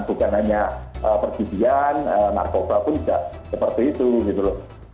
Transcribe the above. bukan hanya pergibian narkoba pun tidak seperti itu